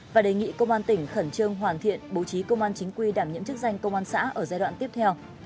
và đề nghị công an tỉnh khẩn trương hoàn thiện bố trí công an chính quy đảm nhiệm chức danh công an xã ở giai đoạn tiếp theo